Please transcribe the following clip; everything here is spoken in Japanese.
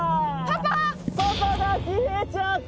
パパが消えちゃった！